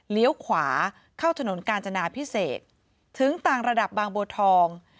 ขวาเข้าถนนกาญจนาพิเศษถึงต่างระดับบางบัวทอง